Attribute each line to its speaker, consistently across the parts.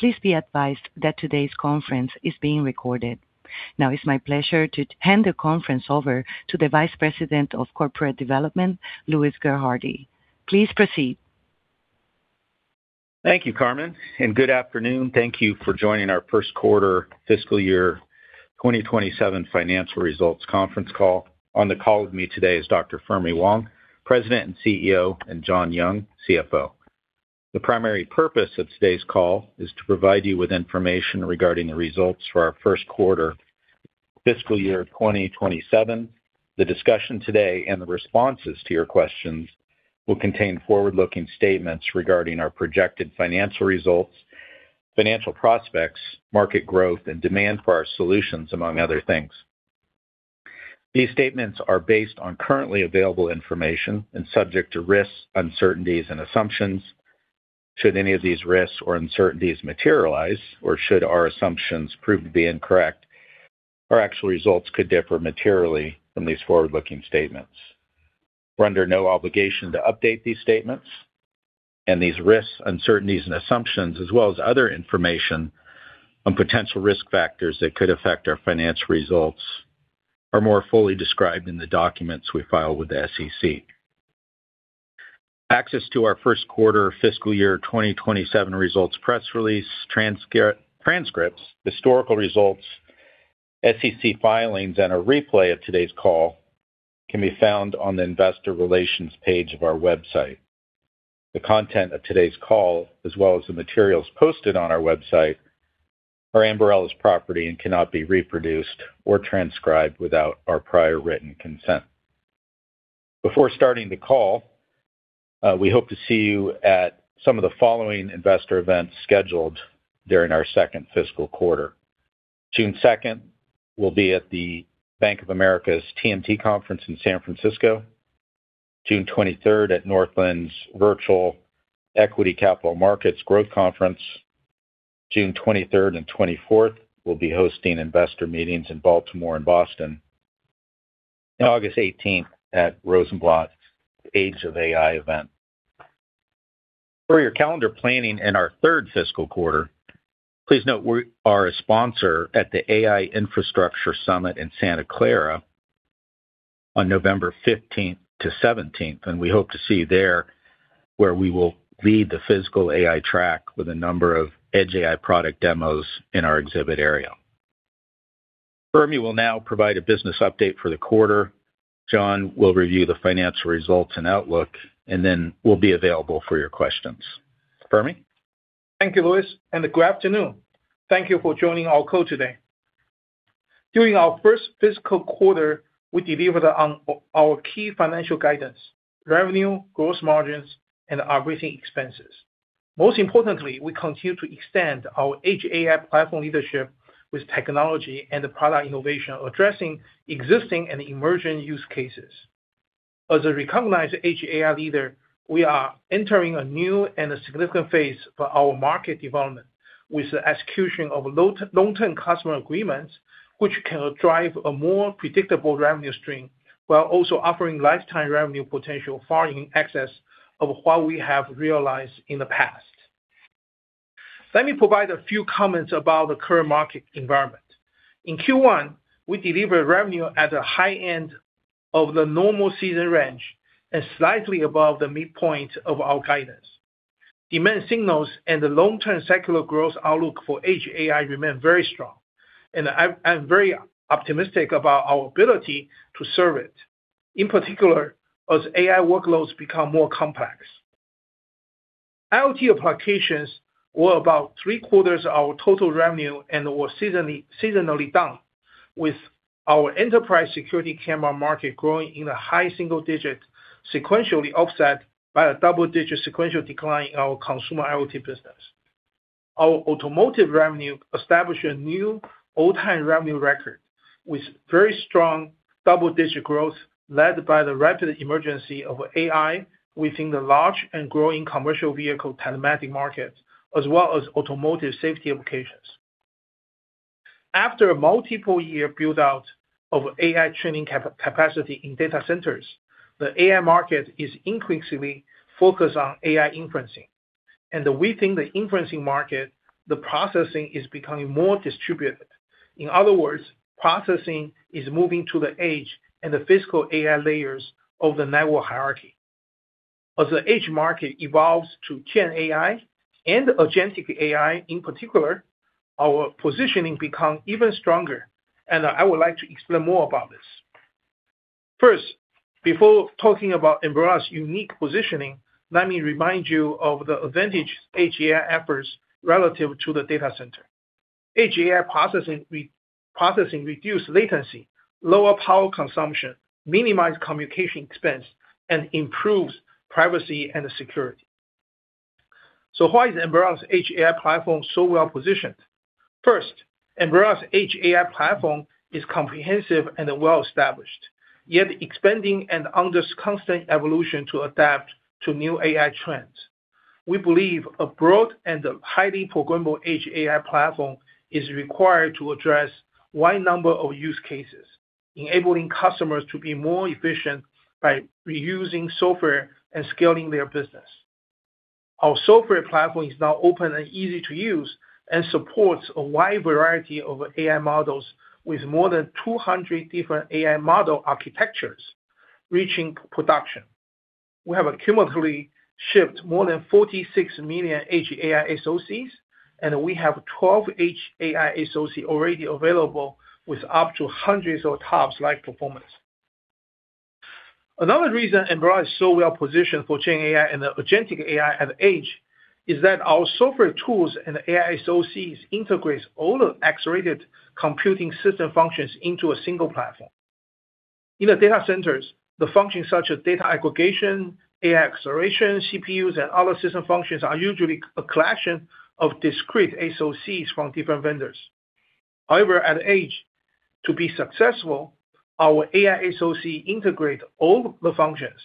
Speaker 1: Please be advised that today's conference is being recorded. Now it's my pleasure to hand the conference over to the Vice President of Corporate Development, Louis Gerhardy. Please proceed.
Speaker 2: Thank you, Carmen, and good afternoon. Thank you for joining our first quarter fiscal year 2027 financial results conference call. On the call with me today is Dr. Fermi Wang, President and CEO, and John Young, CFO. The primary purpose of today's call is to provide you with information regarding the results for our first quarter fiscal year 2027. The discussion today and the responses to your questions will contain forward-looking statements regarding our projected financial results, financial prospects, market growth, and demand for our solutions, among other things. These statements are based on currently available information and subject to risks, uncertainties, and assumptions. Should any of these risks or uncertainties materialize, or should our assumptions prove to be incorrect, our actual results could differ materially from these forward-looking statements. We're under no obligation to update these statements, and these risks, uncertainties, and assumptions, as well as other information on potential risk factors that could affect our financial results, are more fully described in the documents we file with the SEC. Access to our first quarter fiscal year 2027 results, press release, transcripts, historical results, SEC filings, and a replay of today's call can be found on the investor relations page of our website. The content of today's call, as well as the materials posted on our website, are Ambarella's property and cannot be reproduced or transcribed without our prior written consent. Before starting the call, we hope to see you at some of the following investor events scheduled during our second fiscal quarter. June 2nd, we'll be at the Bank of America TMT Conference in San Francisco. June 23rd at Northland's Virtual Equity Capital Markets Growth Conference. June 23rd and 24th, we'll be hosting investor meetings in Baltimore and Boston. August 18th at Rosenblatt's Age of AI event. For your calendar planning in our third fiscal quarter, please note we are a sponsor at the AI Infra Summit in Santa Clara on November 15th-17th, and we hope to see you there, where we will lead the physical AI track with a number of edge AI product demos in our exhibit area. Fermi will now provide a business update for the quarter. John will review the financial results and outlook. Then we'll be available for your questions. Fermi?
Speaker 3: Thank you, Louis, and good afternoon. Thank you for joining our call today. During our first fiscal quarter, we delivered on our key financial guidance, revenue, gross margins, and operating expenses. Most importantly, we continue to extend our edge AI platform leadership with technology and product innovation, addressing existing and emerging use cases. As a recognized edge AI leader, we are entering a new and significant phase for our market development with the execution of long-term customer agreements, which can drive a more predictable revenue stream while also offering lifetime revenue potential far in excess of what we have realized in the past. Let me provide a few comments about the current market environment. In Q1, we delivered revenue at the high end of the normal season range and slightly above the midpoint of our guidance. Demand signals and the long-term secular growth outlook for edge AI remain very strong. I'm very optimistic about our ability to serve it, in particular, as AI workloads become more complex. IoT applications were about three-quarters of our total revenue and were seasonally down with our enterprise security camera market growing in the high single digits sequentially offset by a double-digit sequential decline in our consumer IoT business. Our automotive revenue established a new all-time revenue record with very strong double-digit growth led by the rapid emergence of AI within the large and growing commercial vehicle telematic market, as well as automotive safety applications. After a multiple year build-out of AI training capacity in data centers, the AI market is increasingly focused on AI inferencing. Within the inferencing market, the processing is becoming more distributed. In other words, processing is moving to the edge and the physical AI layers of the network hierarchy. As the edge market evolves to GenAI and agentic AI in particular, our positioning become even stronger, I would like to explain more about this. First, before talking about Ambarella's unique positioning, let me remind you of the advantage edge AI efforts relative to the data center. Edge AI processing reduce latency, lower power consumption, minimize communication expense, and improves privacy and security. Why is Ambarella's edge AI platform so well-positioned? First, Ambarella's edge AI platform is comprehensive and well-established, yet expanding and under constant evolution to adapt to new AI trends. We believe a broad and highly programmable edge AI platform is required to address wide number of use cases. Enabling customers to be more efficient by reusing software and scaling their business. Our software platform is now open and easy to use and supports a wide variety of AI models with more than 200 different AI model architectures reaching production. We have cumulatively shipped more than 46 million edge AI SoCs, and we have 12 edge AI SoC already available with up to hundreds of TOPS-like performance. Another reason Ambarella is so well-positioned for GenAI and agentic AI at edge is that our software tools and AI SoCs integrates all the accelerated computing system functions into a single platform. In the data centers, the functions such as data aggregation, AI acceleration, CPUs, and other system functions are usually a collection of discrete SoCs from different vendors. However, at edge, to be successful, our AI SoC integrate all the functions.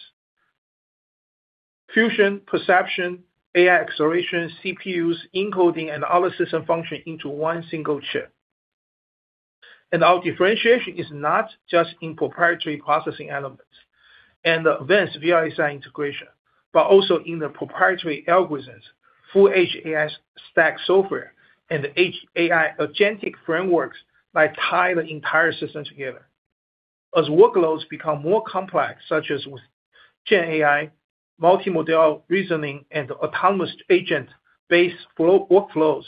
Speaker 3: Fusion, perception, AI acceleration, CPUs, encoding, and other system function into one single chip. Our differentiation is not just in proprietary processing elements and advanced VSI integration, but also in the proprietary algorithms, full edge AI stack software, and edge AI agentic frameworks that tie the entire system together. As workloads become more complex, such as with GenAI, multimodal reasoning, and autonomous agent-based workflows,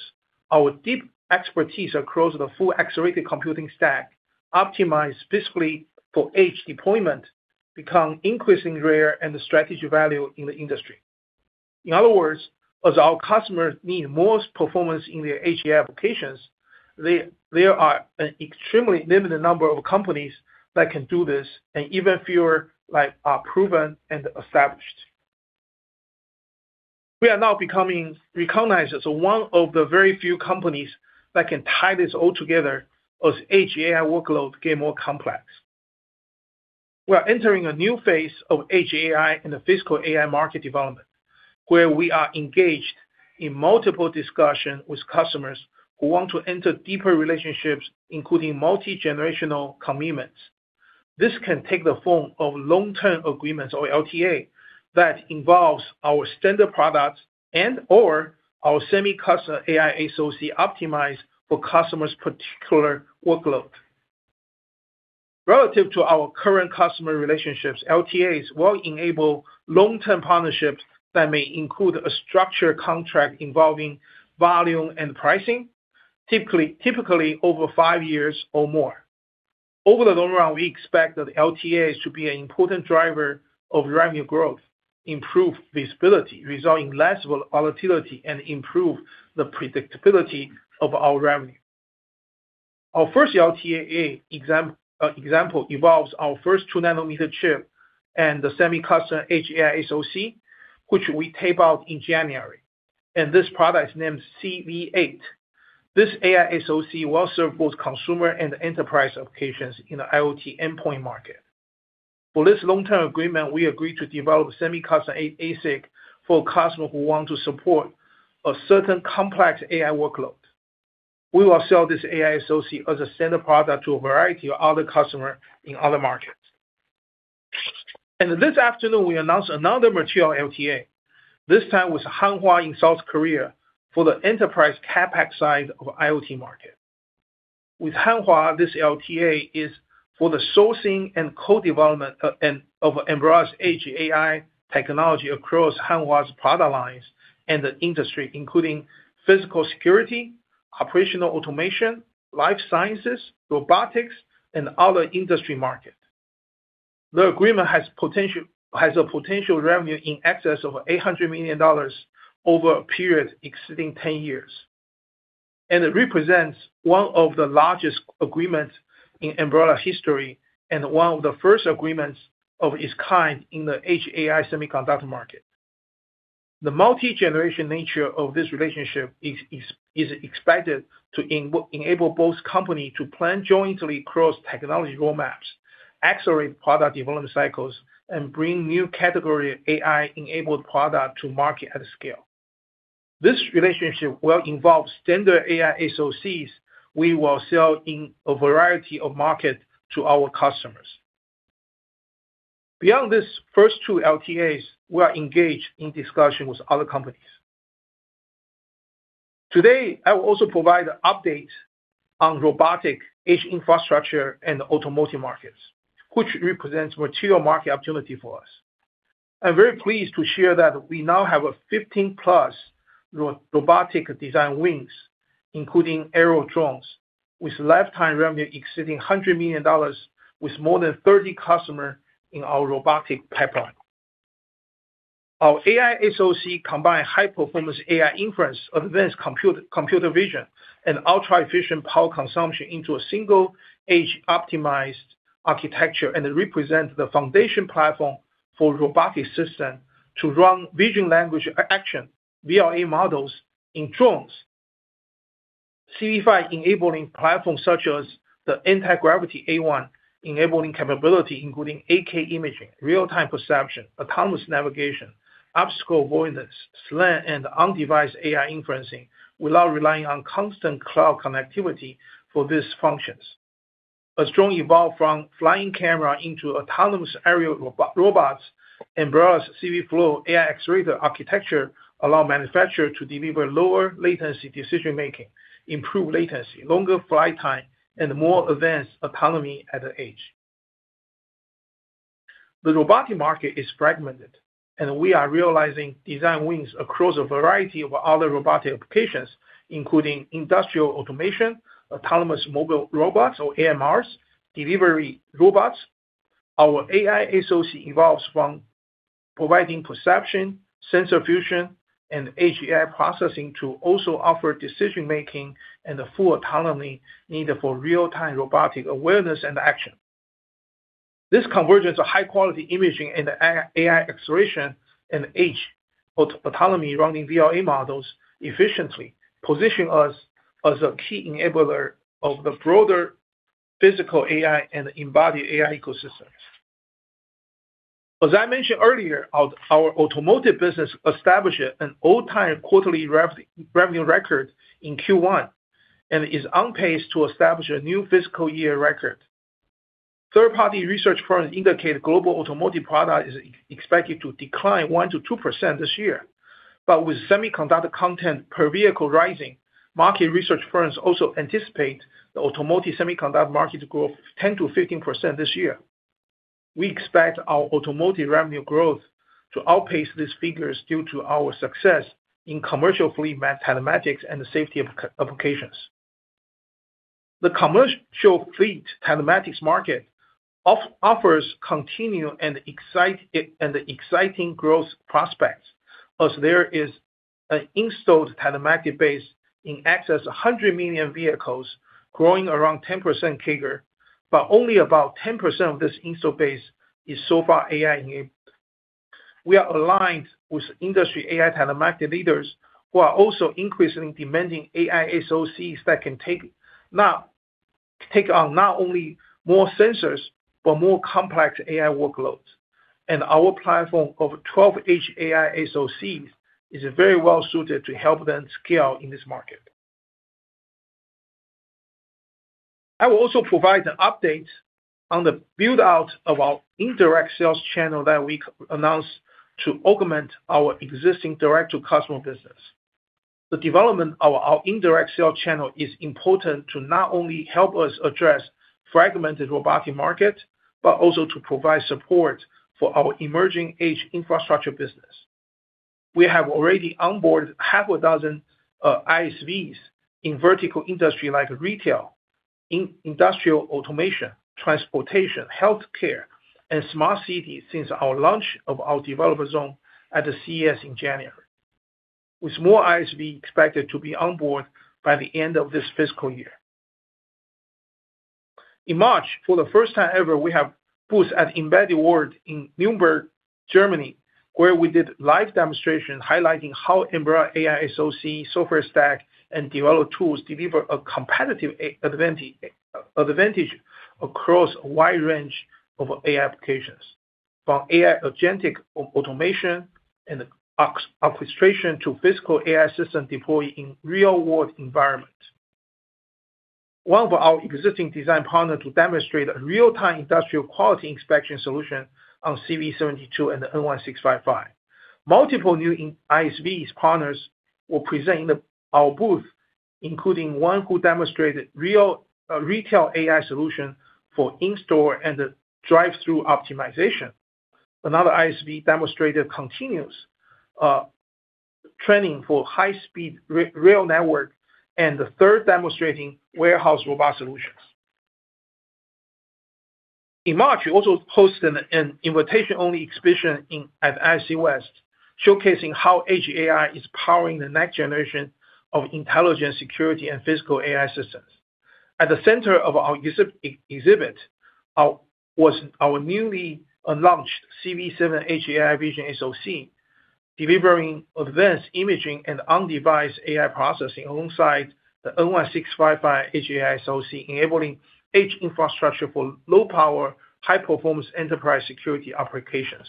Speaker 3: our deep expertise across the full accelerated computing stack optimized physically for edge deployment become increasingly rare and the strategic value in the industry. In other words, as our customers need more performance in their edge AI applications, there are an extremely limited number of companies that can do this, and even fewer that are proven and established. We are now becoming recognized as one of the very few companies that can tie this all together as edge AI workload get more complex. We are entering a new phase of edge AI and the physical AI market development, where we are engaged in multiple discussion with customers who want to enter deeper relationships, including multi-generational commitments. This can take the form of long-term agreements or LTA that involves our standard products and/or our semi-custom AI SoC optimized for customers' particular workload. Relative to our current customer relationships, LTAs will enable long-term partnerships that may include a structured contract involving volume and pricing, typically over five years or more. Over the long run, we expect that LTAs to be an important driver of revenue growth, improve visibility, resulting in less volatility, and improve the predictability of our revenue. Our first LTA example involves our first two nanometer chip and the semi-custom edge AI SoC, which we tape out in January, and this product is named CV8. This AI SoC will serve both consumer and enterprise applications in the IoT endpoint market. For this long-term agreement, we agreed to develop semi-custom ASIC for customer who want to support a certain complex AI workload. We will sell this AI SoC as a standard product to a variety of other customer in other markets. This afternoon we announced another material LTA, this time with Hanwha in South Korea for the enterprise CapEx side of IoT market. With Hanwha, this LTA is for the sourcing and co-development of Ambarella's Edge AI technology across Hanwha's product lines and the industry, including physical security, operational automation, life sciences, robotics, and other industry market. The agreement has a potential revenue in excess of $800 million over a period exceeding 10 years, and it represents one of the largest agreements in Ambarella history, and one of the first agreements of its kind in the Edge AI semiconductor market. The multi-generation nature of this relationship is expected to enable both company to plan jointly across technology roadmaps, accelerate product development cycles, and bring new category AI-enabled product to market at scale. This relationship will involve standard AI SoCs we will sell in a variety of market to our customers. Beyond these first two LTAs, we are engaged in discussion with other companies. Today, I will also provide an update on robotic Edge infrastructure and automotive markets, which represents material market opportunity for us. I am very pleased to share that we now have a 15+ robotic design wins, including Aero drones, with lifetime revenue exceeding $100 million with more than 30 customers in our robotic pipeline. Our AI SoC combines high-performance AI inference, advanced computer vision, and ultra-efficient power consumption into a single edge-optimized architecture. It represents the foundation platform for robotic systems to run vision, language, action, VLA models in drones. CV5 enabling platforms such as the Antigravity A1, enabling capabilities including 8K imaging, real-time perception, autonomous navigation, obstacle avoidance, SLAM, and on-device AI inferencing without relying on constant cloud connectivity for these functions. A strong evolution from flying cameras into autonomous aerial robots. Ambarella's CVflow AI accelerator architecture allows manufacturers to deliver lower latency decision-making, improve latency, longer flight time, and more advanced autonomy at the edge. The robotic market is fragmented, and we are realizing design wins across a variety of other robotic applications, including industrial automation, autonomous mobile robots or AMRs, delivery robots. Our AI SoC evolves from providing perception, sensor fusion, and edge AI processing to also offer decision-making and the full autonomy needed for real-time robotic awareness and action. This convergence of high-quality imaging and AI acceleration and edge autonomy running VLA models efficiently, position us as a key enabler of the broader physical AI and embodied AI ecosystems. As I mentioned earlier, our automotive business established an all-time quarterly revenue record in Q1, and is on pace to establish a new fiscal year record. Third-party research firms indicate global automotive product is expected to decline 1%-2% this year. With semiconductor content per vehicle rising, market research firms also anticipate the automotive semiconductor market growth 10%-15% this year. We expect our automotive revenue growth to outpace these figures due to our success in commercial fleet telematics and safety applications. The commercial fleet telematics market offers continued and exciting growth prospects as there is an installed telematics base in excess of 100 million vehicles growing around 10% CAGR, but only about 10% of this installed base is so far AI-enabled. We are aligned with industry AI telematics leaders who are also increasingly demanding AI SoCs that can take on not only more sensors, but more complex AI workloads. Our platform of 12 edge AI SoCs is very well-suited to help them scale in this market. I will also provide an update on the build-out of our indirect sales channel that we announced to augment our existing direct-to-customer business. The development of our indirect sales channel is important to not only help us address fragmented robotic market, but also to provide support for our emerging edge infrastructure business. We have already onboarded half a dozen ISVs in vertical industry like retail, industrial automation, transportation, healthcare, and smart cities since our launch of our developer zone at the CES in January, with more ISV expected to be on board by the end of this fiscal year. In March, for the first time ever, we have booth at embedded world in Nuremberg, Germany, where we did live demonstration highlighting how Ambarella AI SoC software stack and developer tools deliver a competitive advantage across a wide range of AI applications, from AI agentic automation and orchestration, to physical AI systems deployed in real-world environment. One of our existing design partner to demonstrate a real-time industrial quality inspection solution on CV72 and N1-655. Multiple new ISVs partners will present in our booth, including one who demonstrated retail AI solution for in-store and drive-through optimization. Another ISV demonstrated continuous training for high-speed rail network, and the third demonstrating warehouse robot solutions. In March, we also hosted an invitation-only exhibition at ISC West, showcasing how edge AI is powering the next generation of intelligent security and physical AI systems. At the center of our exhibit was our newly launched CV7 edge AI vision SoC, delivering advanced imaging and on-device AI processing alongside the N1-655 edge AI SoC, enabling edge infrastructure for low-power, high-performance enterprise security applications.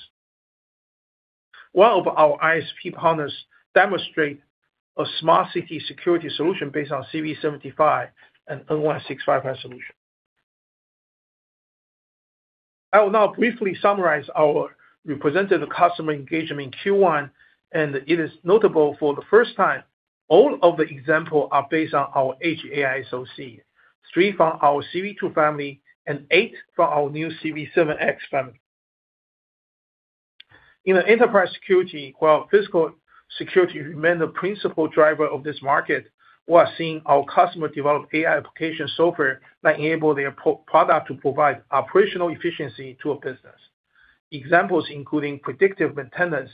Speaker 3: One of our ISV partners demonstrate a smart city security solution based on CV75 and N1-655 solution. I will now briefly summarize our representative customer engagement in Q1, and it is notable for the first time, all of the example are based on our edge AI SoC. Three from our CV2 family and eight from our new CV7x family. In the enterprise security, while physical security remain the principal driver of this market, we are seeing our customer develop AI application software that enable their product to provide operational efficiency to a business. Examples including predictive maintenance,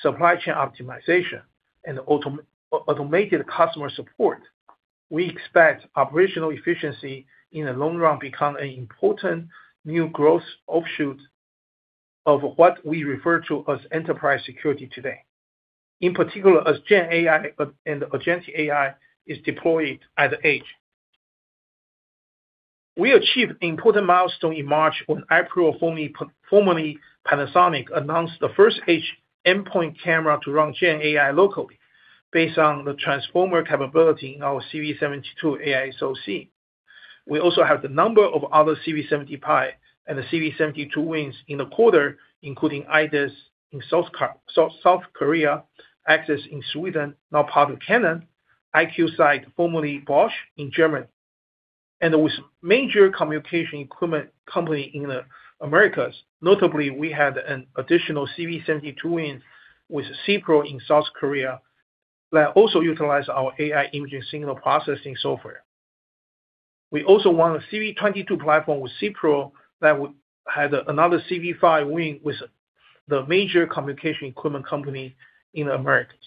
Speaker 3: supply chain optimization, and automated customer support. We expect operational efficiency in the long run become an important new growth offshoot of what we refer to as enterprise security today. In particular, as GenAI and agentic AI is deployed at the edge. We achieved important milestone in March when i-PRO, formerly Panasonic, announced the first edge endpoint camera to run GenAI locally based on the transformer capability in our CV72 AI SoC. We also have the number of other CV75 and the CV72 wins in the quarter, including IDIS in South Korea, Axis in Sweden, now part of Canon, IQSIGHT, formerly Bosch, in Germany. With major communication equipment company in the Americas. Notably, we had an additional CV72 win with CPRO in South Korea that also utilized our AI imaging signal processing software. We also won a CV22 platform with CPRO that had another CV5 win with the major communication equipment company in the Americas.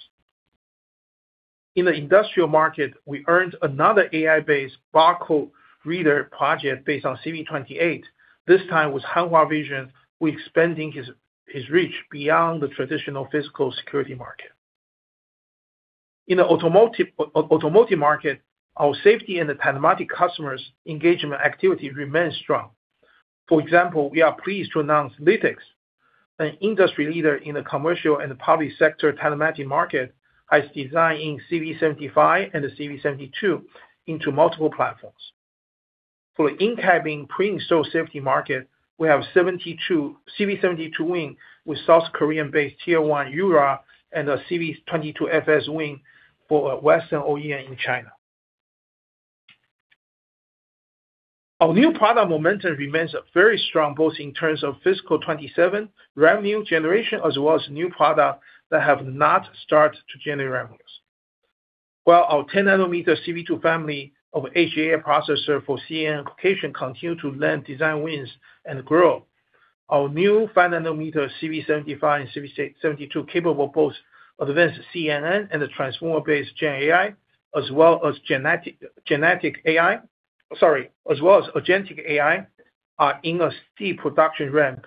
Speaker 3: In the industrial market, we earned another AI-based barcode reader project based on CV28. This time with Hanwha Vision, who is expanding his reach beyond the traditional physical security market. In the automotive market, our safety and the telematics customers engagement activity remains strong. For example, we are pleased to announce Lytx, an industry leader in the commercial and public sector telematics market, has designed CV75 and the CV72 into multiple platforms. For the in-cabin pre-installed safety market, we have CV72 win with South Korean-based Tier 1, Yura, and a CV22FS win for a Western OEM in China. Our new product momentum remains very strong, both in terms of fiscal 2027 revenue generation, as well as new product that have not start to generate revenues. While our 10 nm CV2 family of AGI processor for CNN application continue to land design wins and grow. Our new 5 nm CV75 and CV72 capable both advanced CNN and the transformer-based GenAI, as well as agentic AI, are in a steep production ramp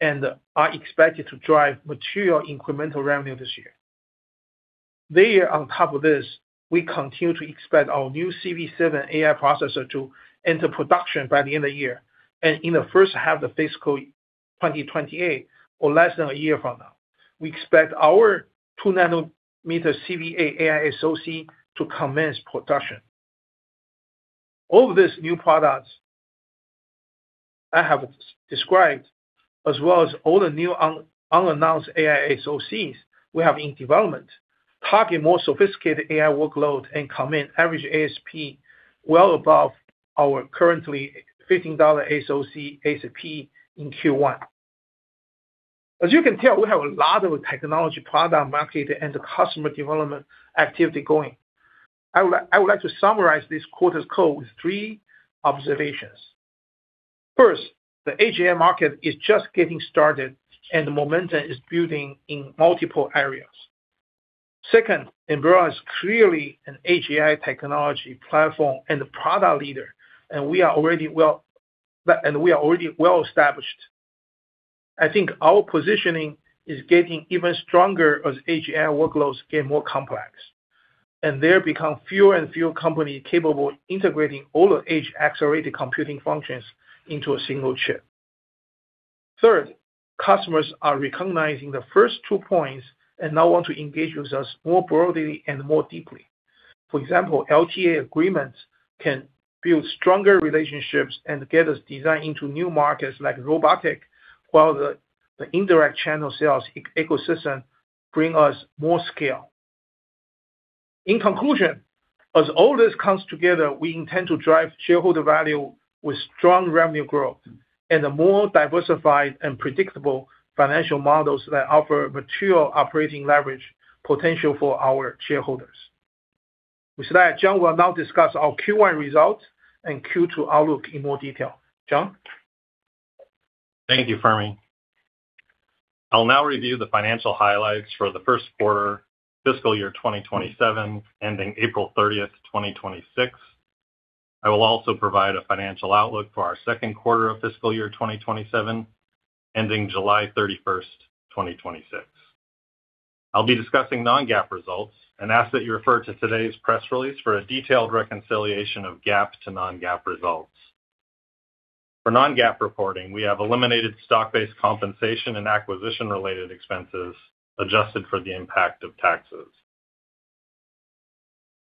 Speaker 3: and are expected to drive material incremental revenue this year. On top of this, we continue to expand our new CV7 AI processor to enter production by the end of the year. In the first half of fiscal 2028, or less than a year from now, we expect our 2 nm CV8 AI SoC to commence production. All these new products I have described, as well as all the new unannounced AI SoCs we have in development, target more sophisticated AI workload and command average ASP well above our currently $15 SoC ASP in Q1. As you can tell, we have a lot of technology product market and the customer development activity going. I would like to summarize this quarter's call with three observations. First, the AGI market is just getting started, and the momentum is building in multiple areas. Second, Ambarella is clearly an AGI technology platform and a product leader, and we are already well established. I think our positioning is getting even stronger as AGI workloads get more complex, and there become fewer and fewer companies capable of integrating all the edge-accelerated computing functions into a single chip. Third, customers are recognizing the first 2 points and now want to engage with us more broadly and more deeply. For example, LTA agreements can build stronger relationships and get us design into new markets like robotic, while the indirect channel sales ecosystem bring us more scale. In conclusion, as all this comes together, we intend to drive shareholder value with strong revenue growth and a more diversified and predictable financial models that offer material operating leverage potential for our shareholders. With that, John will now discuss our Q1 results and Q2 outlook in more detail. John?
Speaker 4: Thank you, Fermi. I'll now review the financial highlights for the first quarter fiscal year 2027, ending April 30th, 2026. I will also provide a financial outlook for our second quarter of fiscal year 2027, ending July 31st, 2026. I'll be discussing non-GAAP results and ask that you refer to today's press release for a detailed reconciliation of GAAP to non-GAAP results. For non-GAAP reporting, we have eliminated stock-based compensation and acquisition-related expenses, adjusted for the impact of taxes.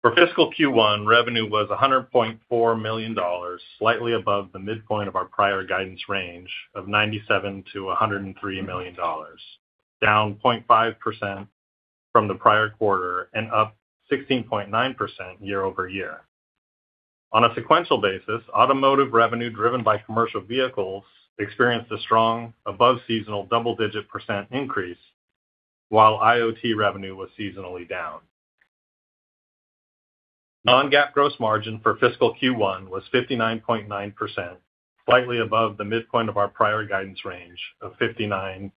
Speaker 4: For fiscal Q1, revenue was $100.4 million, slightly above the midpoint of our prior guidance range of $97 million-$103 million. Down 0.5% from the prior quarter and up 16.9% year-over-year. On a sequential basis, automotive revenue driven by commercial vehicles experienced a strong above seasonal double-digit percent increase, while IoT revenue was seasonally down. Non-GAAP gross margin for fiscal Q1 was 59.9%, slightly above the midpoint of our prior guidance range of 59%-60.5%.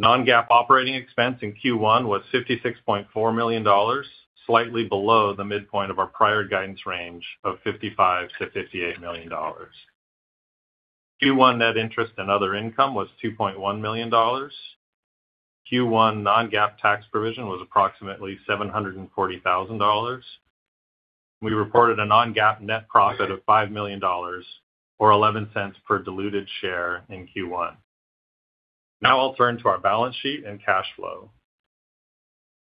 Speaker 4: Non-GAAP operating expense in Q1 was $56.4 million, slightly below the midpoint of our prior guidance range of $55 million to $58 million. Q1 net interest and other income was $2.1 million. Q1 non-GAAP tax provision was approximately $740,000. We reported a non-GAAP net profit of $5 million, or $0.11 per diluted share in Q1. I'll turn to our balance sheet and cash flow.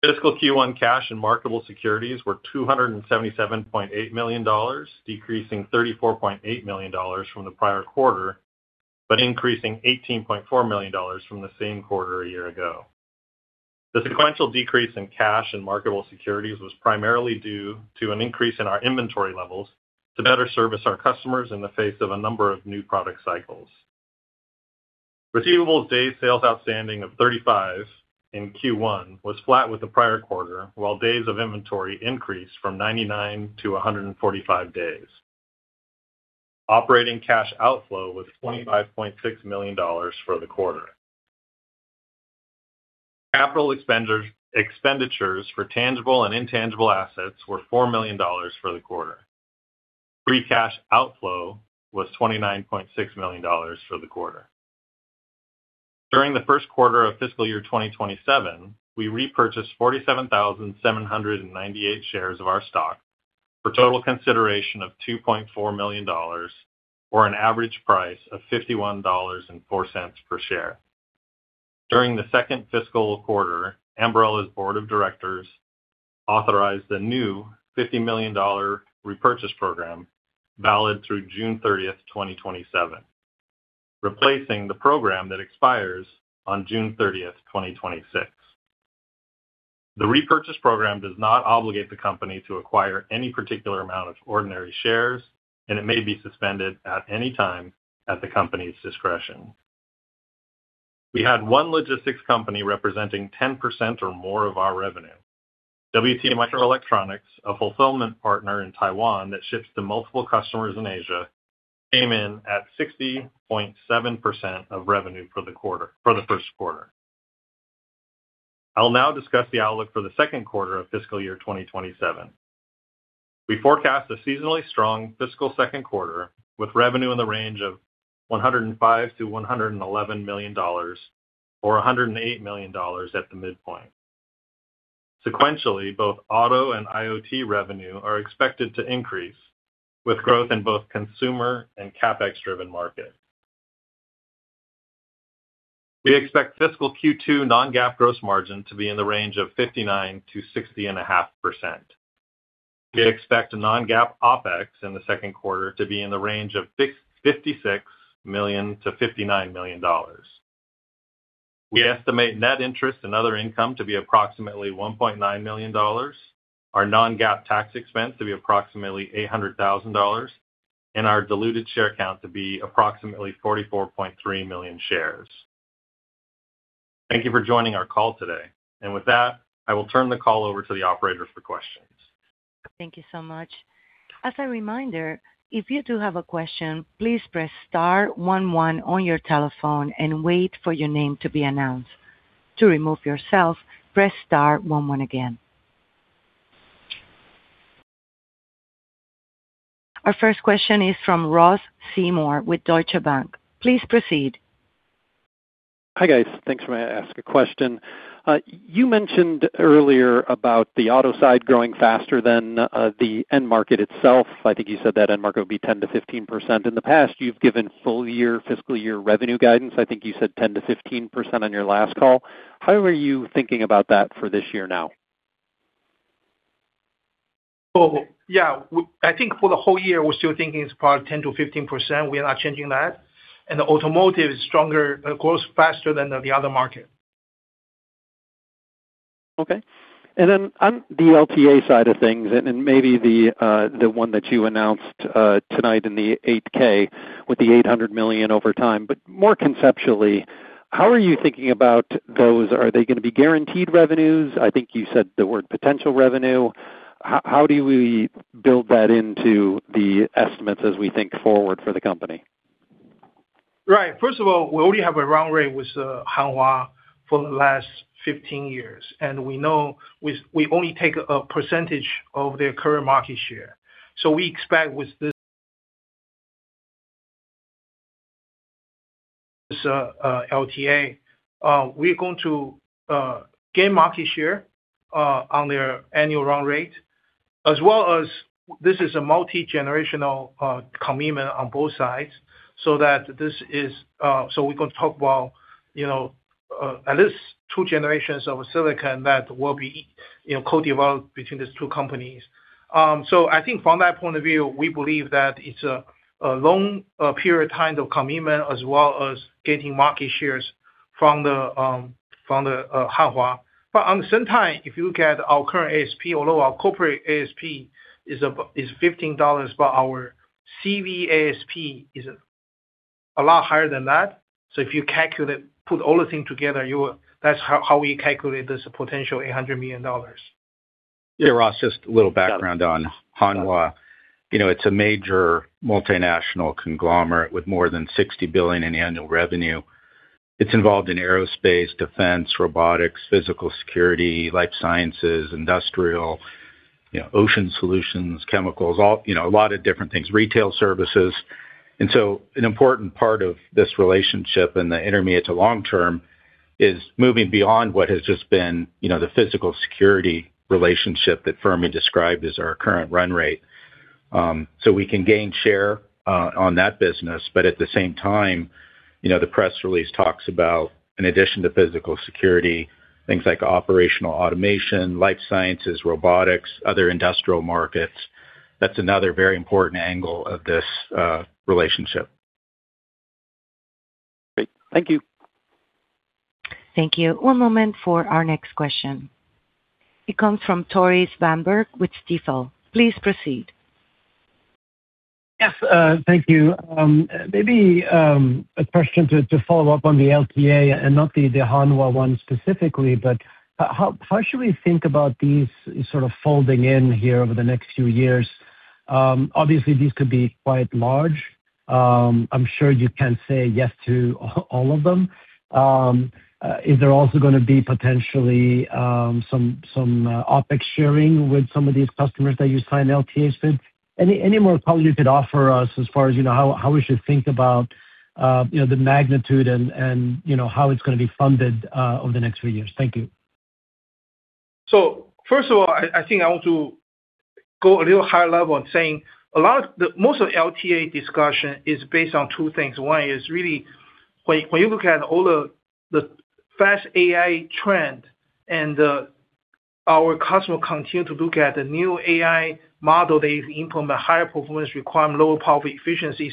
Speaker 4: Fiscal Q1 cash and marketable securities were $277.8 million, decreasing $34.8 million from the prior quarter, but increasing $18.4 million from the same quarter a year ago. The sequential decrease in cash and marketable securities was primarily due to an increase in our inventory levels to better service our customers in the face of a number of new product cycles. Receivables days sales outstanding of 35 in Q1 was flat with the prior quarter, while days of inventory increased from 99 to 145 days. Operating cash outflow was $25.6 million for the quarter. Capital expenditures for tangible and intangible assets were $4 million for the quarter. Free cash outflow was $29.6 million for the quarter. During the first quarter of fiscal year 2027, we repurchased 47,798 shares of our stock for total consideration of $2.4 million, or an average price of $51.04 per share. During the second fiscal quarter, Ambarella's board of directors authorized a new $50 million repurchase program valid through June 30th, 2027, replacing the program that expires on June 30th, 2026. The repurchase program does not obligate the company to acquire any particular amount of ordinary shares. It may be suspended at any time at the company's discretion. We had one logistics company representing 10% or more of our revenue. WT Microelectronics, a fulfillment partner in Taiwan that ships to multiple customers in Asia, came in at 60.7% of revenue for the first quarter. I'll now discuss the outlook for the second quarter of fiscal year 2027. We forecast a seasonally strong fiscal second quarter, with revenue in the range of $105 million-$111 million, or $108 million at the midpoint. Sequentially, both auto and IoT revenue are expected to increase, with growth in both consumer and CapEx-driven markets. We expect fiscal Q2 non-GAAP gross margin to be in the range of 59%-60.5%. We expect non-GAAP OpEx in the second quarter to be in the range of $56 million-$59 million. We estimate net interest and other income to be approximately $1.9 million, our non-GAAP tax expense to be approximately $800,000, and our diluted share count to be approximately 44.3 million shares. Thank you for joining our call today. With that, I will turn the call over to the operator for questions.
Speaker 1: Thank you so much. As a reminder, if you do have a question, please press star one one on your telephone and wait for your name to be announced. To remove yourself, press star one one again. Our first question is from Ross Seymore with Deutsche Bank. Please proceed.
Speaker 5: Hi, guys. Thanks for letting me ask a question. You mentioned earlier about the auto side growing faster than the end market itself. I think you said that end market would be 10%-15%. In the past, you've given full year fiscal year revenue guidance. I think you said 10%-15% on your last call. How are you thinking about that for this year now?
Speaker 3: Oh, yeah. I think for the whole year, we're still thinking it's probably 10%-15%. We are not changing that. The automotive is stronger, grows faster than the other market.
Speaker 5: Okay. On the LTA side of things, maybe the one that you announced tonight in the 8-K with the $800 million over time, more conceptually, how are you thinking about those? Are they going to be guaranteed revenues? I think you said the word potential revenue. How do we build that into the estimates as we think forward for the company?
Speaker 3: Right. First of all, we already have a run rate with Hanwha for the last 15 years. We know we only take a percentage of their current market share. We expect with this LTA, we're going to gain market share on their annual run rate, as well as this is a multi-generational commitment on both sides. We're going to talk about at least two generations of silicon that will be co-developed between these two companies. I think from that point of view, we believe that it's a long period time of commitment as well as getting market shares from Hanwha. At the same time, if you look at our current ASP, although our corporate ASP is $15 per hour, CV ASP is a lot higher than that. If you put all the things together, that's how we calculate this potential $800 million.
Speaker 2: Yeah, Ross, just a little background on Hanwha. It's a major multinational conglomerate with more than $60 billion in annual revenue. It's involved in aerospace, defense, robotics, physical security, life sciences, industrial, ocean solutions, chemicals, a lot of different things, and retail services. An important part of this relationship in the intermediate to long term is moving beyond what has just been the physical security relationship that Fermi described as our current run rate. We can gain share on that business, but at the same time, the press release talks about, in addition to physical security, things like operational automation, life sciences, robotics, other industrial markets. That's another very important angle of this relationship.
Speaker 5: Great. Thank you.
Speaker 1: Thank you. One moment for our next question. It comes from Tore Svanberg with Stifel. Please proceed.
Speaker 6: Yes, thank you. Maybe a question to follow up on the LTA and not the Hanwha one specifically, but how should we think about these sort of folding in here over the next few years? Obviously, these could be quite large. I'm sure you can say yes to all of them. Is there also going to be potentially some OpEx sharing with some of these customers that you sign LTAs with? Any more color you could offer us as far as how we should think about the magnitude and how it's going to be funded over the next few years? Thank you.
Speaker 3: First of all, I think I want to go a little higher level in saying most of the LTA discussion is based on two things. One is really, when you look at all the fast AI trend and our customer continue to look at the new AI model, they implement higher performance, require lower power efficiency.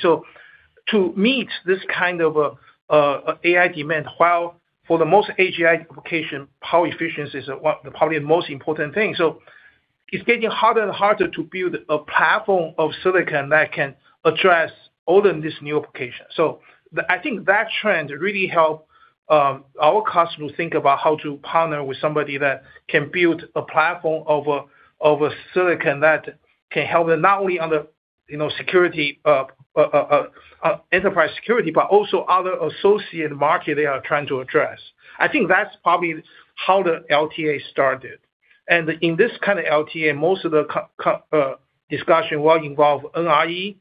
Speaker 3: To meet this kind of AI demand, while for the most AGI application, power efficiency is probably the most important thing. It's getting harder and harder to build a platform of silicon that can address all of these new applications. I think that trend really help our customers think about how to partner with somebody that can build a platform of a silicon that can help them not only on the enterprise security, but also other associated market they are trying to address. I think that's probably how the LTA started. In this kind of LTA, most of the discussion will involve NRE,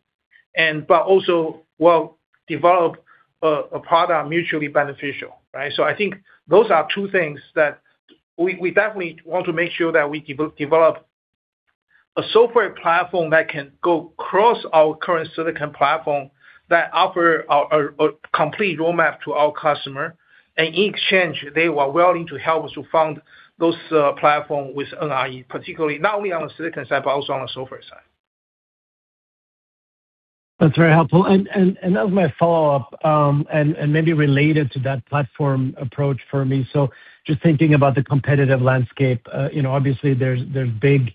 Speaker 3: but also will develop a product mutually beneficial. I think those are two things that we definitely want to make sure that we develop a software platform that can go across our current silicon platform that offer a complete roadmap to our customer. In exchange, they were willing to help us to fund those platform with NRE, particularly not only on the silicon side, but also on the software side.
Speaker 6: That's very helpful. That was my follow-up, and maybe related to that platform approach, Fermi. Just thinking about the competitive landscape, obviously there's big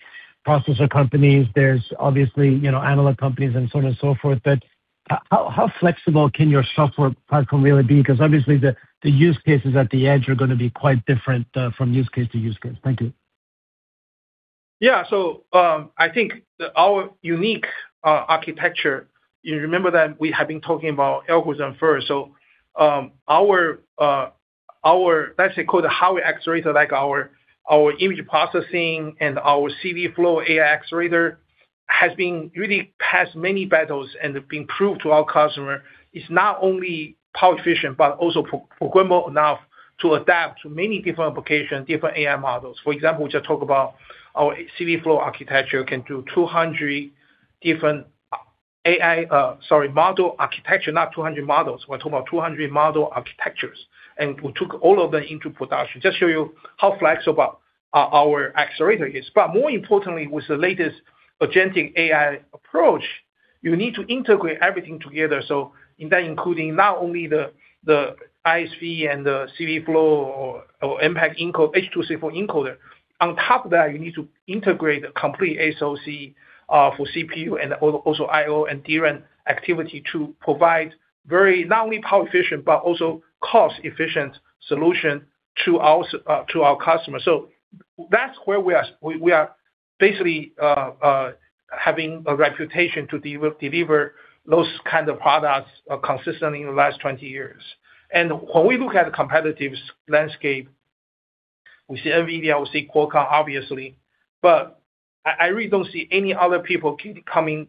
Speaker 6: processor companies, there's obviously analog companies and so on and so forth, but how flexible can your software platform really be? Because obviously the use cases at the edge are going to be quite different from use case to use case. Thank you.
Speaker 3: I think our unique architecture, you remember that we have been talking about algorithm first. Let's say, call it the hardware accelerator, like our image processing and our CVflow AI accelerator has been really passed many battles and been proved to our customer. It's not only power efficient, but also programmable enough to adapt to many different applications, different AI models. For example, just talk about our CVflow architecture can do 200 different model architecture, not 200 models. We're talking about 200 model architectures, we took all of them into production. Just show you how flexible our accelerator is. More importantly, with the latest agentic AI approach, you need to integrate everything together. In that, including not only the ISV and the CVflow or CVflow encode, H.264 encoder. On top of that, you need to integrate a complete SoC for CPU and also I/O and DRAM activity to provide very not only power efficient, but also cost efficient solution to our customers. That's where we are basically having a reputation to deliver those kind of products consistently in the last 20 years. When we look at the competitive landscape, we see NVIDIA, we see Qualcomm, obviously, but I really don't see any other people coming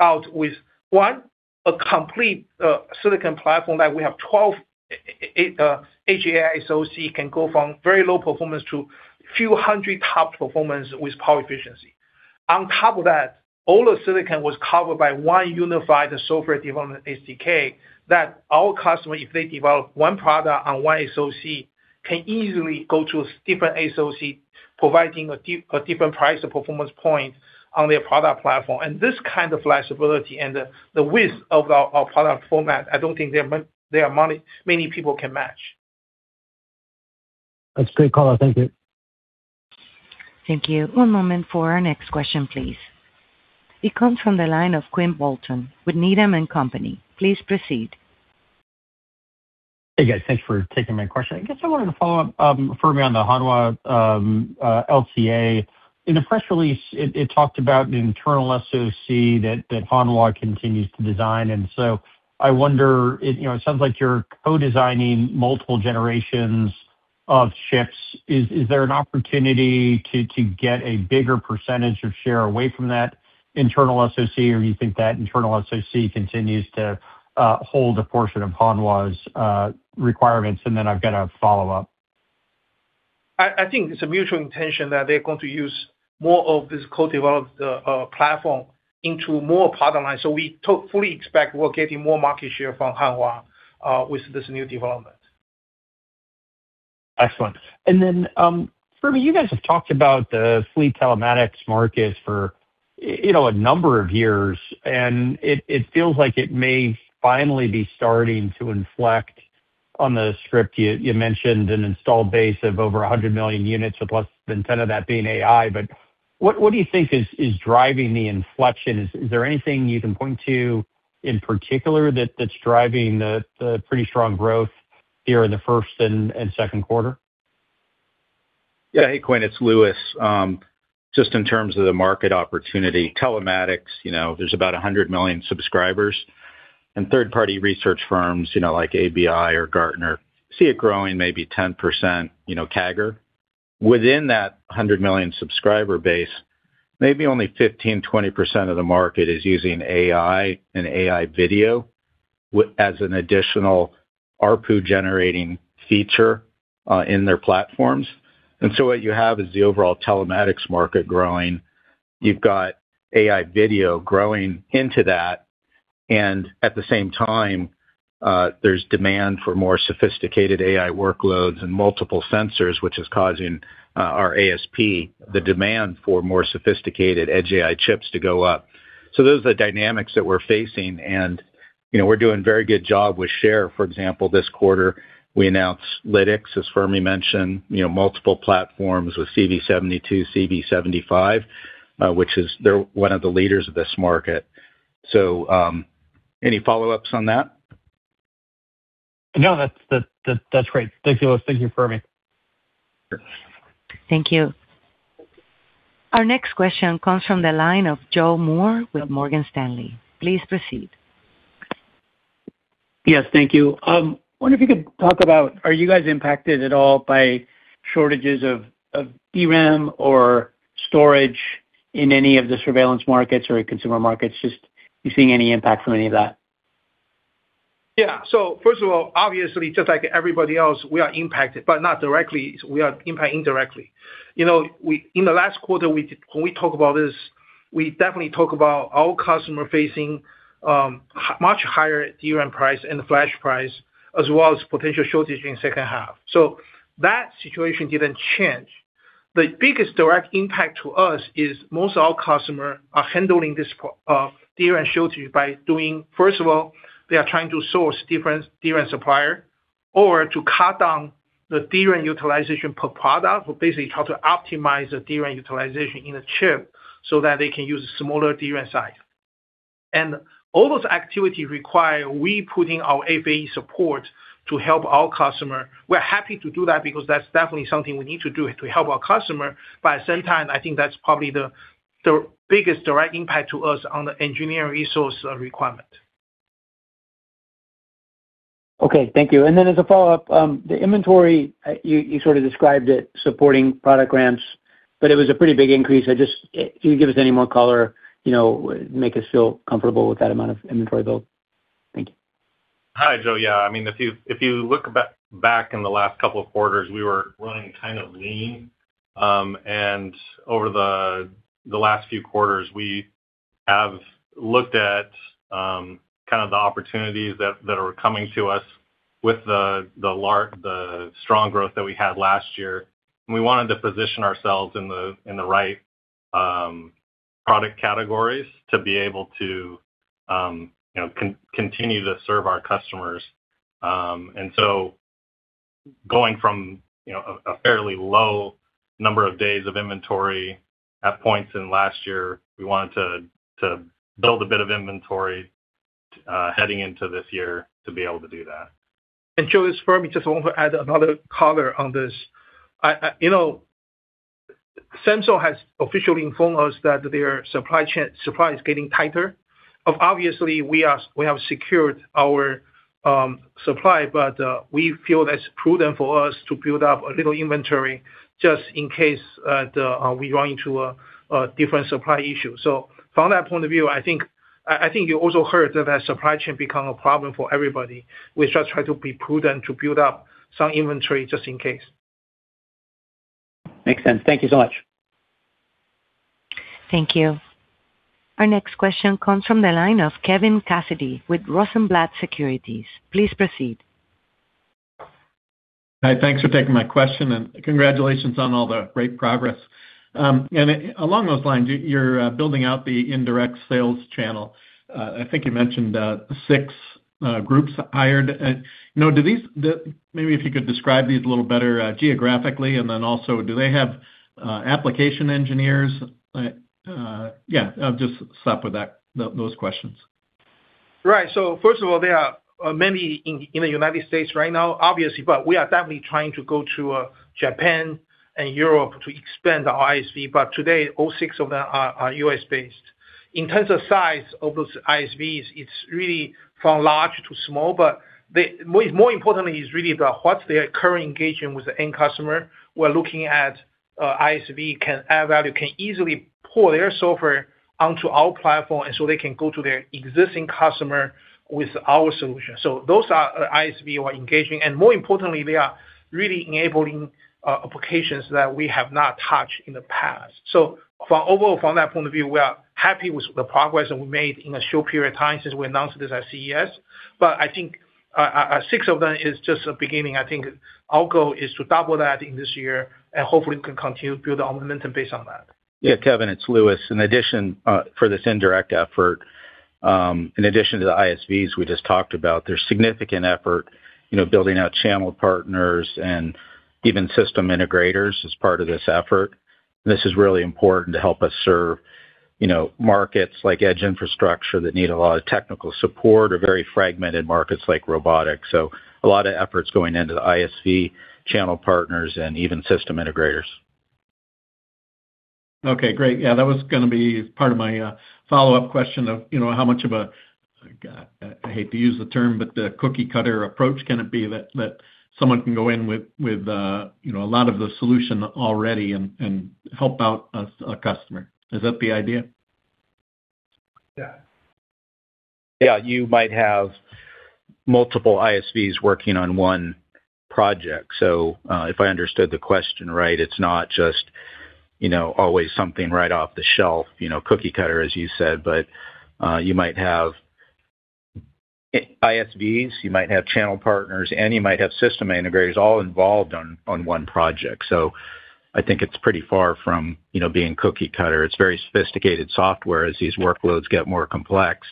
Speaker 3: out with, one, a complete silicon platform that we have 12 edge AI SoC can go from very low performance to few hundred TOPS performance with power efficiency. On top of that, all the silicon was covered by one unified software development SDK that our customer, if they develop one product on one SoC, can easily go to different SoC, providing a different price or performance point on their product platform. This kind of flexibility and the width of our product format, I don't think there are many people can match.
Speaker 6: That's a great call. Thank you.
Speaker 1: Thank you. One moment for our next question, please. It comes from the line of Quinn Bolton with Needham & Company. Please proceed.
Speaker 7: Hey, guys. Thanks for taking my question. I guess I wanted to follow up Fermi on the Hanwha LTA. In the press release, it talked about the internal SoC that Hanwha continues to design. I wonder, it sounds like you're co-designing multiple generations of chips. Is there an opportunity to get a bigger percentage of share away from that internal SoC, or you think that internal SoC continues to hold a portion of Hanwha's requirements? Then I've got a follow-up.
Speaker 3: I think it's a mutual intention that they're going to use more of this co-developed platform into more product lines. We fully expect we're getting more market share from Hanwha with this new development.
Speaker 7: Excellent. Fermi, you guys have talked about the fleet telematics market for a number of years, and it feels like it may finally be starting to inflect. On the script, you mentioned an installed base of over 100 million units, with less than 10 of that being AI. What do you think is driving the inflection? Is there anything you can point to in particular that's driving the pretty strong growth here in the first and second quarter?
Speaker 2: Yeah. Hey, Quinn, it's Louis. Just in terms of the market opportunity, telematics, there's about 100 million subscribers, and third-party research firms like ABI or Gartner see it growing maybe 10% CAGR. Within that 100 million subscriber base, maybe only 15%-20% of the market is using AI and AI video as an additional ARPU generating feature in their platforms. What you have is the overall telematics market growing. You've got AI video growing into that, and at the same time, there's demand for more sophisticated AI workloads and multiple sensors, which is causing our ASP, the demand for more sophisticated edge AI chips to go up. Those are the dynamics that we're facing, and we're doing a very good job with share. For example, this quarter, we announced Lytx, as Fermi mentioned, multiple platforms with CV72, CV75, which is they're one of the leaders of this market. Any follow-ups on that?
Speaker 7: No, that's great. Thank you, Louis. Thank you, Fermi.
Speaker 2: Sure.
Speaker 1: Thank you. Our next question comes from the line of Joe Moore with Morgan Stanley. Please proceed.
Speaker 8: Yes, thank you. I wonder if you could talk about, are you guys impacted at all by shortages of DRAM or storage in any of the surveillance markets or consumer markets? Just you seeing any impact from any of that?
Speaker 3: Yeah. First of all, obviously, just like everybody else, we are impacted, but not directly. We are impacted indirectly. In the last quarter, when we talk about this, we definitely talk about our customer facing much higher DRAM price and flash price, as well as potential shortage in the second half. That situation didn't change. The biggest direct impact to us is most of our customer are handling this DRAM shortage by doing, first of all, they are trying to source different DRAM supplier or to cut down the DRAM utilization per product. Basically, how to optimize the DRAM utilization in a chip so that they can use a smaller DRAM size. All those activity require we put in our FAE support to help our customer. We're happy to do that because that's definitely something we need to do to help our customer. At the same time, I think that's probably the biggest direct impact to us on the engineering resource requirement.
Speaker 8: Okay, thank you. As a follow-up, the inventory, you sort of described it supporting product ramps, but it was a pretty big increase. Can you give us any more color, make us feel comfortable with that amount of inventory build? Thank you.
Speaker 2: Hi, Joe. Yeah. If you look back in the last couple of quarters, we were running kind of lean. Over the last few quarters, we have looked at kind of the opportunities that are coming to us with the strong growth that we had last year. We wanted to position ourselves in the right product categories to be able to continue to serve our customers. Going from a fairly low number of days of inventory at points in last year, we wanted to build a bit of inventory heading into this year to be able to do that.
Speaker 3: Joe, it's Fermi. Just want to add another color on this. Samsung has officially informed us that their supply is getting tighter. Obviously, we have secured our supply, but we feel that it's prudent for us to build up a little inventory just in case we run into a different supply issue. From that point of view, I think you also heard that the supply chain become a problem for everybody. We just try to be prudent to build up some inventory just in case.
Speaker 8: Makes sense. Thank you so much.
Speaker 1: Thank you. Our next question comes from the line of Kevin Cassidy with Rosenblatt Securities. Please proceed.
Speaker 9: Hi, thanks for taking my question, and congratulations on all the great progress. Along those lines, you're building out the indirect sales channel. I think you mentioned six groups hired. Maybe if you could describe these a little better geographically, and then also, do they have application engineers? Yeah, I'll just stop with those questions.
Speaker 3: Right. First of all, there are many in the United States right now, obviously, but we are definitely trying to go to Japan and Europe to expand the ISV, but today all six of them are U.S.-based. In terms of size of those ISVs, it's really from large to small, but more importantly is really about what's their current engagement with the end customer. We're looking at ISV can add value, can easily pull their software onto our platform, and so they can go to their existing customer with our solution. Those are ISV we're engaging. More importantly, they are really enabling applications that we have not touched in the past. Overall, from that point of view, we are happy with the progress that we made in a short period of time since we announced this at CES. I think six of them is just a beginning. I think our goal is to double that in this year, and hopefully we can continue to build our momentum based on that.
Speaker 2: Yeah, Kevin, it's Louis. In addition, for this indirect effort, in addition to the ISVs we just talked about, there's significant effort building out channel partners and even system integrators as part of this effort. This is really important to help us serve markets like edge infrastructure that need a lot of technical support or very fragmented markets like robotics. A lot of efforts going into the ISV channel partners and even system integrators.
Speaker 9: Okay, great. Yeah, that was going to be part of my follow-up question of how much of a, I hate to use the term, but the cookie cutter approach can it be that someone can go in with a lot of the solution already and help out a customer. Is that the idea?
Speaker 3: Yeah.
Speaker 2: Yeah, you might have multiple ISVs working on one project. If I understood the question right, it's not just always something right off the shelf, cookie cutter, as you said. You might have ISVs, you might have channel partners, and you might have system integrators all involved on one project. I think it's pretty far from being cookie cutter. It's very sophisticated software. As these workloads get more complex,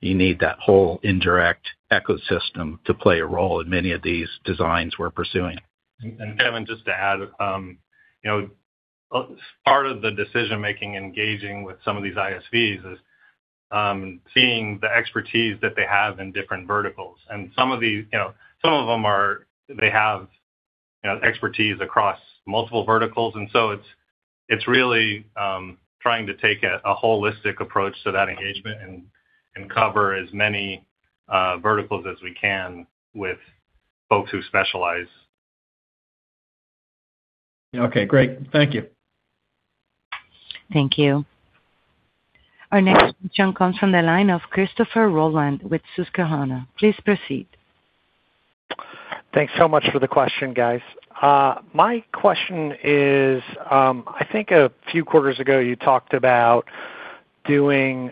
Speaker 2: you need that whole indirect ecosystem to play a role in many of these designs we're pursuing.
Speaker 4: Kevin, just to add. Part of the decision making engaging with some of these ISVs is seeing the expertise that they have in different verticals. Some of them they have expertise across multiple verticals, it's really trying to take a holistic approach to that engagement and cover as many verticals as we can with folks who specialize.
Speaker 9: Okay, great. Thank you.
Speaker 1: Thank you. Our next question comes from the line of Christopher Rolland with Susquehanna. Please proceed.
Speaker 10: Thanks so much for the question, guys. My question is, I think a few quarters ago you talked about doing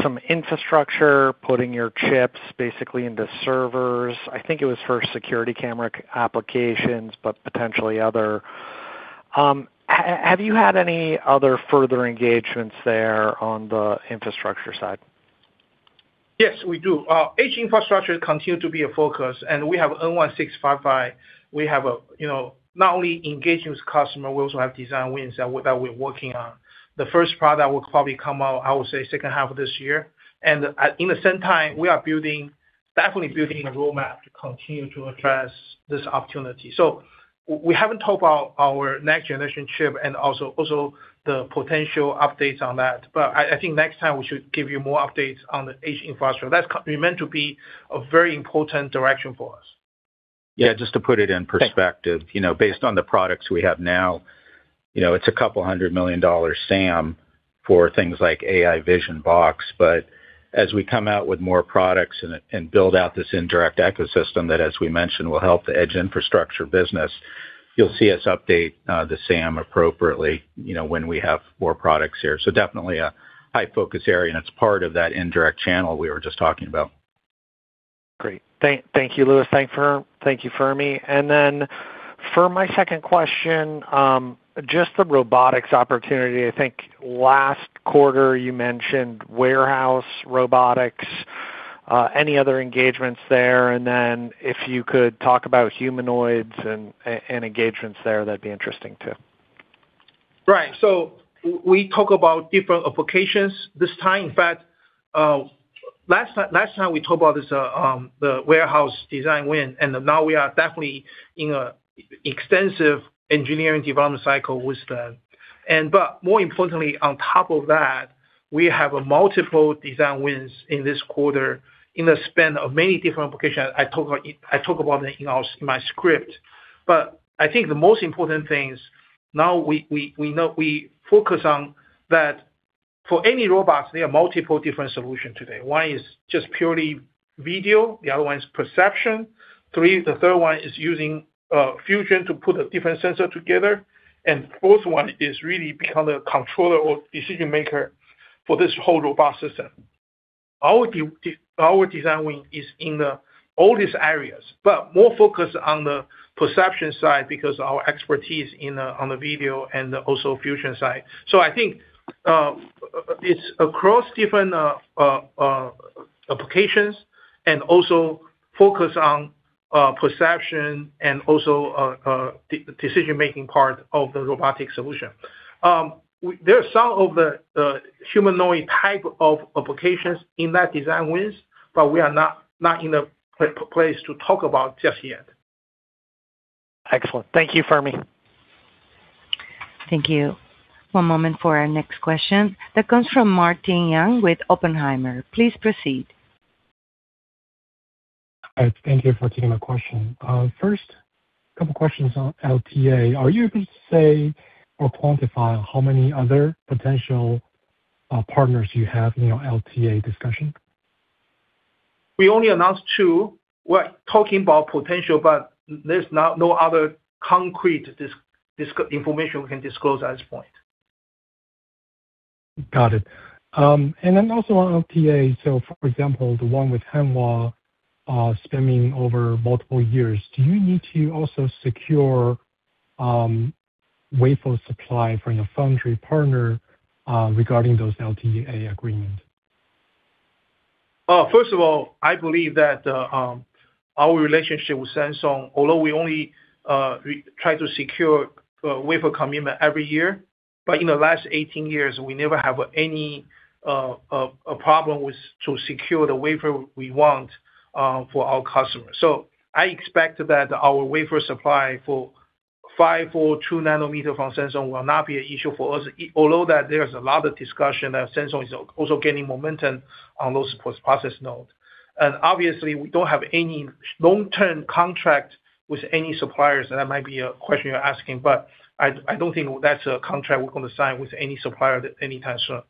Speaker 10: some infrastructure, putting your chips basically into servers. I think it was for security camera applications, but potentially other. Have you had any other further engagements there on the infrastructure side?
Speaker 3: Yes, we do. Edge infrastructure continues to be a focus, and we have N1-655. We have not only engaged with customer, we also have design wins that we're working on. The first product will probably come out, I would say, second half of this year. In the same time, we are definitely building a roadmap to continue to address this opportunity. We haven't talked about our next generation chip and also the potential updates on that. I think next time we should give you more updates on the edge infrastructure. That's meant to be a very important direction for us.
Speaker 2: Yeah, just to put it in perspective.
Speaker 10: Thanks.
Speaker 2: Based on the products we have now, it's a couple hundred million dollar SAM for things like AI vision box. As we come out with more products and build out this indirect ecosystem that, as we mentioned, will help the edge infrastructure business, you'll see us update the SAM appropriately when we have more products here. Definitely a high focus area, and it's part of that indirect channel we were just talking about.
Speaker 10: Great. Thank you, Louis. Thank you, Fermi. For my second question, just the robotics opportunity. I think last quarter you mentioned warehouse robotics. Any other engagements there? If you could talk about humanoids and engagements there, that'd be interesting, too.
Speaker 3: Right. We talk about different applications this time. In fact, last time we talked about the warehouse design win, and now we are definitely in extensive engineering development cycle with that. More importantly, on top of that, we have a multiple design wins in this quarter in the span of many different applications. I talk about it in my script. I think the most important thing is now we focus on that for any robots, there are multiple different solutions today. One is just purely video, the other one is perception. Three, the third one is using fusion to put a different sensor together. Fourth one is really become the controller or decision maker for this whole robot system. Our design win is in all these areas, but more focused on the perception side because our expertise on the video and also fusion side. I think it's across different applications and also focus on perception and also decision making part of the robotic solution. There are some of the humanoid type of applications in that design wins, but we are not in a place to talk about just yet.
Speaker 10: Excellent. Thank you, Fermi.
Speaker 1: Thank you. One moment for our next question. That comes from Martin Yang with Oppenheimer. Please proceed.
Speaker 11: Hi. Thank you for taking my question. First, couple of questions on LTA. Are you able to say or quantify how many other potential partners you have in your LTA discussion?
Speaker 3: We only announced two. There's no other concrete information we can disclose at this point.
Speaker 11: Got it. Also on LTA, so for example, the one with Hanwha spanning over multiple years, do you need to also secure wafer supply from your foundry partner regarding those LTA agreement?
Speaker 3: I believe that our relationship with Samsung, although we only try to secure a wafer commitment every year, but in the last 18 years, we never have any problem to secure the wafer we want for our customers. I expect that our wafer supply for 5.0 or 2 nm from Samsung will not be an issue for us, although there is a lot of discussion that Samsung is also gaining momentum on those process nodes. We don't have any long-term contract with any suppliers. That might be a question you're asking, but I don't think that's a contract we're going to sign with any supplier any time soon.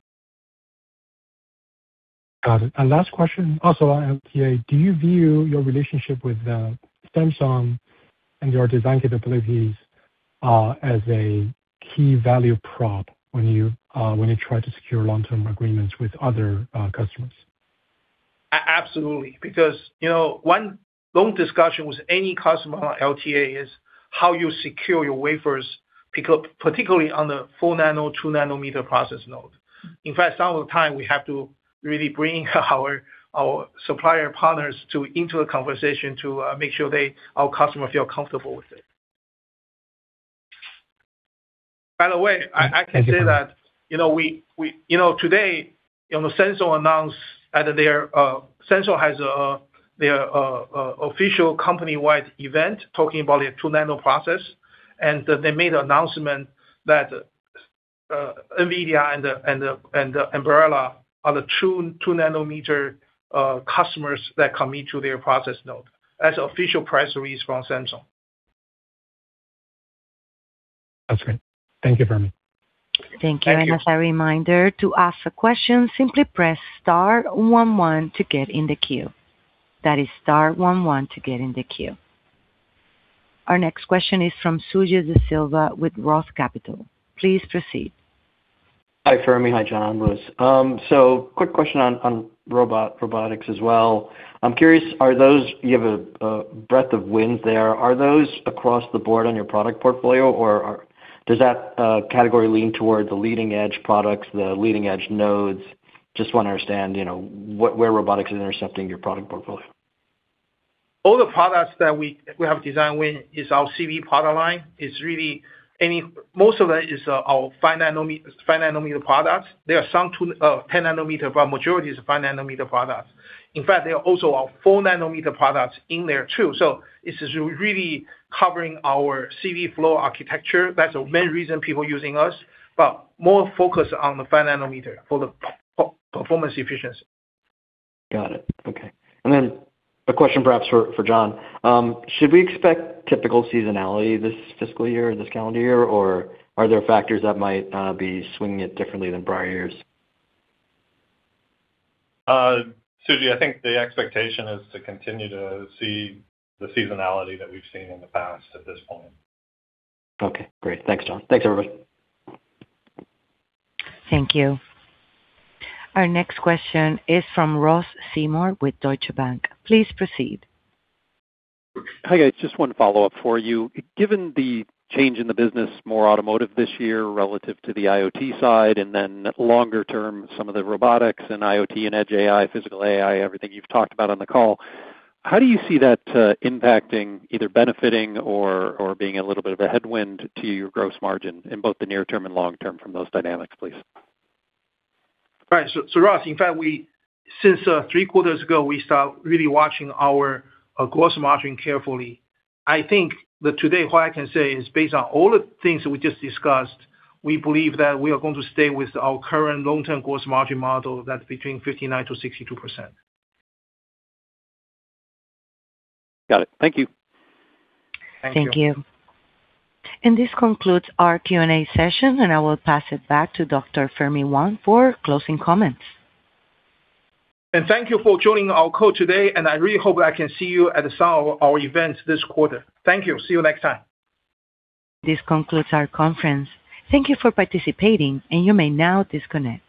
Speaker 11: Got it. Last question, also on LTA, do you view your relationship with Samsung and your design capabilities as a key value prop when you try to secure long-term agreements with other customers?
Speaker 3: Absolutely. One long discussion with any customer on LTA is how you secure your wafers, particularly on the 4 nm, 2 nm process node. In fact, some of the time we have to really bring our supplier partners into a conversation to make sure our customers feel comfortable with it. By the way, I can say that today, Samsung announced at their official company-wide event talking about their 2 nm process, and they made an announcement that NVIDIA and Ambarella are the 2 nm customers that commit to their process node. That's official press release from Samsung.
Speaker 11: That's great. Thank you, Fermi.
Speaker 3: Thank you.
Speaker 1: Thank you. As a reminder, to ask a question, simply press star one one to get in the queue. That is star one one to get in the queue. Our next question is from Suji Desilva with Roth Capital. Please proceed.
Speaker 12: Hi, Fermi. Hi, John. It's Suji. Quick question on robotics as well. I'm curious, you have a breadth of wins there. Are those across the board on your product portfolio, or does that category lean toward the leading edge products, the leading edge nodes? Just want to understand where robotics is intersecting your product portfolio.
Speaker 3: All the products that we have designed win is our CV product line. Most of that is our 5 nm products. There are some 10 nm, but majority is 5 nm products. In fact, there are also our 4 nm products in there, too. This is really covering our CVflow architecture. That's the main reason people using us, but more focused on the 5 nm for the performance efficiency.
Speaker 12: Got it. Okay. A question perhaps for John. Should we expect typical seasonality this fiscal year or this calendar year, or are there factors that might be swinging it differently than prior years?
Speaker 4: Suji, I think the expectation is to continue to see the seasonality that we've seen in the past at this point.
Speaker 12: Okay, great. Thanks, John. Thanks, everybody.
Speaker 1: Thank you. Our next question is from Ross Seymore with Deutsche Bank. Please proceed.
Speaker 5: Hi, guys. Just one follow-up for you. Given the change in the business, more automotive this year relative to the IoT side, and then longer term, some of the robotics and IoT and edge AI, physical AI, everything you've talked about on the call, how do you see that impacting, either benefiting or being a little bit of a headwind to your gross margin in both the near term and long term from those dynamics, please?
Speaker 3: Right. Ross, in fact, since three quarters ago, we start really watching our gross margin carefully. I think that today what I can say is based on all the things we just discussed, we believe that we are going to stay with our current long-term gross margin model, that's between 59%-62%.
Speaker 5: Got it. Thank you.
Speaker 3: Thank you.
Speaker 1: Thank you. This concludes our Q&A session, and I will pass it back to Dr. Fermi Wang for closing comments.
Speaker 3: Thank you for joining our call today, and I really hope I can see you at some of our events this quarter. Thank you. See you next time.
Speaker 1: This concludes our conference. Thank you for participating, and you may now disconnect.